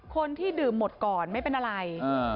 คนที่ดื่มหมดก่อนไม่เป็นอะไร